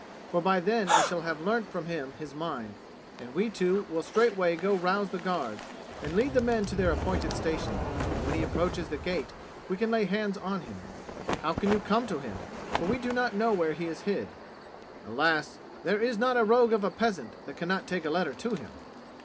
For by then I shall have learnt from him his mind: and we two will straightway go rouse the guards and lead the men to their appointed station, and when he approaches the gate we can lay hands on him." "How can you come to him? For we do not know where he is hid." "Alas, there is not a rogue of a peasant that cannot take a letter to him!"